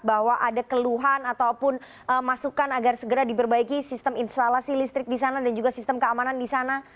bahwa ada keluhan ataupun masukan agar segera diperbaiki sistem instalasi listrik di sana dan juga sistem keamanan di sana